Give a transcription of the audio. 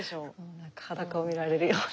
なんか裸を見られるような。